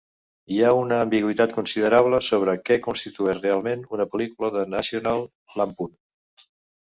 Hi ha una ambigüitat considerable sobre què constitueix realment una pel·lícula de "National Lampoon".